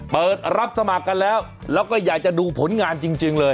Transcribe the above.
เปิดรับสมัครกันแล้วแล้วก็อยากจะดูผลงานจริงเลย